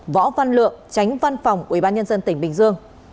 võ văn lượng tránh văn phòng ubnd tỉnh bình dương